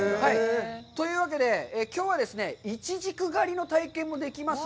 というわけで、きょうはいちじく狩りの体験もできます